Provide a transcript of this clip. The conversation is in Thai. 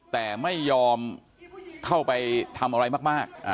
แต่ไม่ยอมเข้าไปทำอะไรมาก